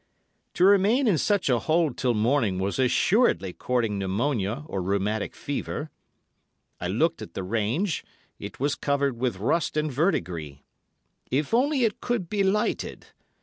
"To remain in such a hole till morning was assuredly courting pneumonia or rheumatic fever. I looked at the range, it was covered with rust and verdigris. If only it could be lighted!